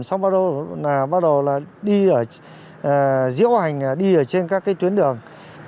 xong bắt đầu diễu hành đi ở trên các tuyến đường